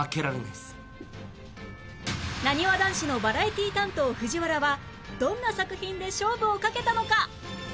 なにわ男子のバラエティー担当藤原はどんな作品で勝負をかけたのか？